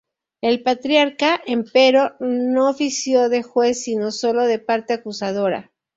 El patriarca, empero, no ofició de juez sino solo de parte acusadora.